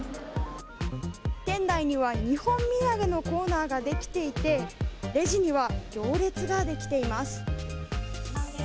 店内には日本土産のコーナーが出来ていて、レジには行列が出来ています。